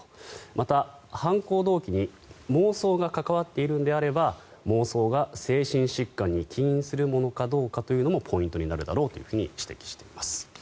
また、犯行動機に妄想が関わっているのであれば妄想が精神疾患に起因するものかどうかというのもポイントになるだろうと指摘しています。